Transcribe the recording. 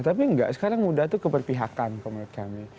tapi nggak sekarang muda tuh keperpihakan menurut kami